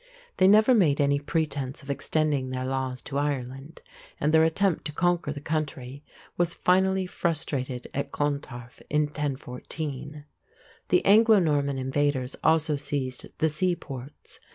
They never made any pretence of extending their laws to Ireland, and their attempt to conquer the country was finally frustrated at Clontarf in 1014. The Anglo Norman invaders also seized the seaports.